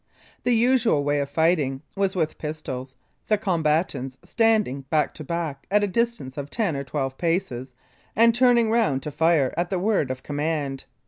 The usual way of fighting was with pistols, the combatants standing back to back, at a distance of ten or twelve paces, and turning round to fire at the word of command.